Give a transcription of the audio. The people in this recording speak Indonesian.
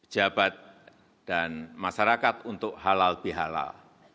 jabat dan masyarakat untuk halal bihalal